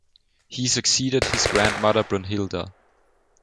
He succeeded his grandmother Brunhilda.